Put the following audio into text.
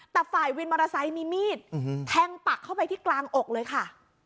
แต่ฝ่ายวินมอเตอร์ไซค์มีมีดแทงปักเข้าไปที่กลางอกเลยค่ะ